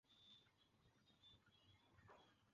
NASA পুরো প্রক্রিয়াটা পরিচালনা করবে।